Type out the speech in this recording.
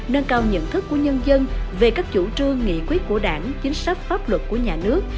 nâng cao nhận thức của nhân dân về các chủ trương nghị quyết của đảng chính sách pháp luật của nhà nước